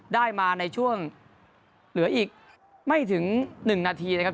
ได้มาในช่วงเหลืออีกไม่ถึง๑นาทีนะครับ